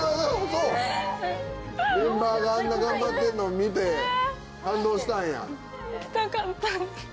メンバーがあんな頑張ってんのを見て感動したんや？